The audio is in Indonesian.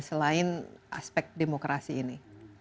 selain aspek demokrasi ini